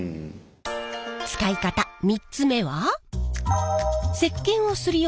使い方３つ目は。